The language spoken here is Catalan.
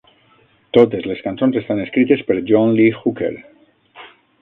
Totes les cançons estan escrites per John Lee Hooker.